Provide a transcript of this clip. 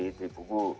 iya itu di buku